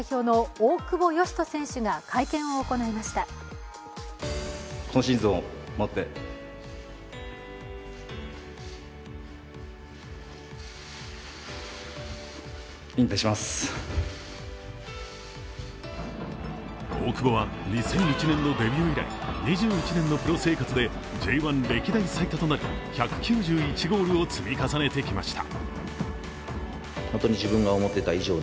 大久保は２００１年のデビュー以来、２１年のプロ生活でＪ１歴代最多となる１９１ゴールを積み重ねてきました。